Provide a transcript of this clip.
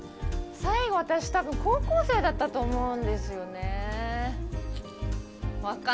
最後、私、多分高校生だったと思うんですよね。